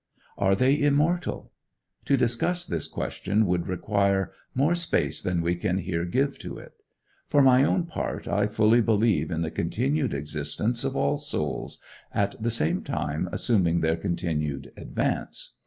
Are they immortal? To discuss this question would require more space than we can here give to it. For my own part, I fully believe in the continued existence of all souls, at the same time assuming their continued advance.